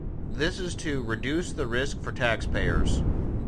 This is "to reduce the risk for taxpayers".